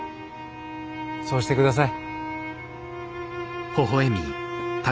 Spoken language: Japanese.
そうして下さい。